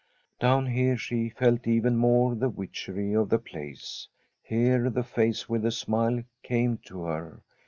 Down here she felt even more the witchery of the place. Here the face with the smile came to her.